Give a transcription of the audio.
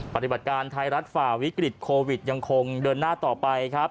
ปฏิบัติการไทยรัฐฝ่าวิกฤตโควิดยังคงเดินหน้าต่อไปครับ